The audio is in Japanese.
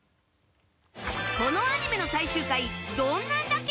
このアニメの最終回どんなんだっけ？